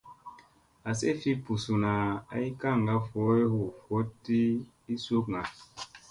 Asi fi buzuna ay kaŋga vooy hu voɗti ii sukŋga.